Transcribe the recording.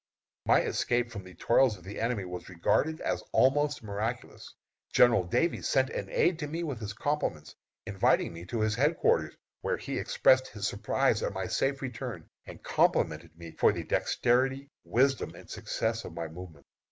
My escape from the toils of the enemy was regarded as almost miraculous. General Davies sent an aid to me with his compliments, inviting me to his headquarters, where he expressed his surprise at my safe return, and complimented me for the dexterity, wisdom, and success of my movements.